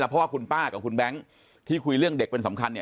เพราะว่าคุณป้ากับคุณแบงค์ที่คุยเรื่องเด็กเป็นสำคัญ